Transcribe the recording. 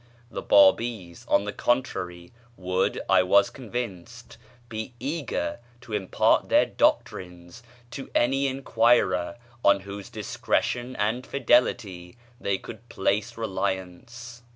The Bábís, on the contrary, would, I was convinced, be eager to impart their doctrines to any enquirer on whose discretion and fidelity they could place reliance.